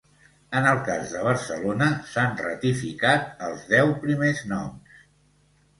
En el cas de Barcelona s’han ratificat els deu primers noms.